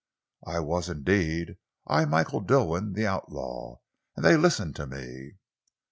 "I was indeed I, Michael Dilwyn, the outlaw! and they listened to me."